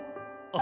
「あ！」